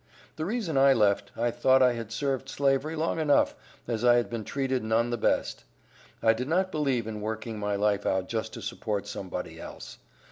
The reason I left, I thought I had served Slavery long enough, as I had been treated none the best. I did not believe in working my life out just to support some body else.